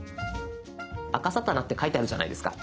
あかさたなって書いてあるじゃないですか。